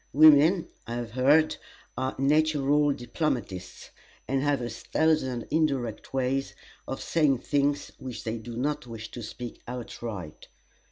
Women, I have heard, are natural diplomatists, and have a thousand indirect ways of saying things which they do not wish to speak outright.